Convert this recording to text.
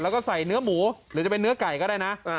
แล้วก็ใส่เนื้อหมูหรือจะเป็นเนื้อไก่ก็ได้นะ